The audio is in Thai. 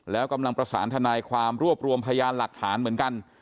แล้วกำลังประสานทนายความรวบรวมพยานหลักฐานเหมือนกัน